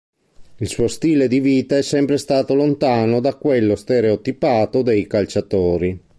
Il suo stile di vita è sempre stato lontano da quello stereotipato dei calciatori.